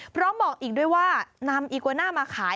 พร้อมบอกอีกด้วยว่านำอีกวาน่ามาขาย